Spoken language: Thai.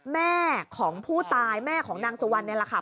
แม่ของผู้ตายแม่ของนางสุวรรณนี่แหละค่ะ